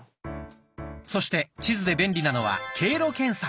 そして地図で便利なのは経路検索。